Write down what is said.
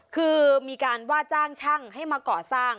คือมีการว่าจ้างช่างให้มาก่อสร้าง